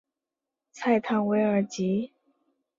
莱唐韦尔吉。